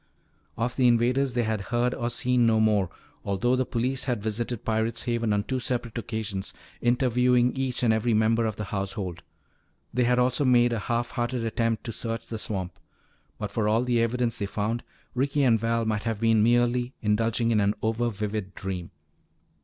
Of the invaders they had heard or seen no more, although the police had visited Pirate's Haven on two separate occasions, interviewing each and every member of the household. They had also made a half hearted attempt to search the swamp. But for all the evidence they found, Ricky and Val might have been merely indulging in an over vivid dream.